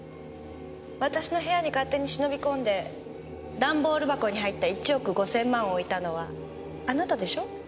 私の部屋に勝手に忍び込んで段ボール箱に入った１億５０００万を置いたのはあなたでしょ？